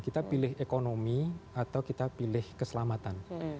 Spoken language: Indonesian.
kita pilih ekonomi atau kita pilih keselamatan